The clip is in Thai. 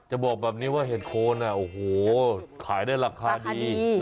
จะบอกแบบนี้ว่าเห็ดโคนคลายได้ราคาดี